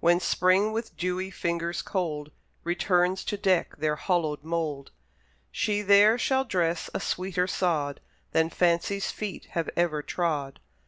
When Spring, with dewy fingers cold, Returns to deck their hallowed mould, She there shall dress a sweeter sod Than Fancy's feet have ever trod.